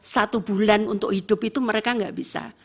satu bulan untuk hidup itu mereka nggak bisa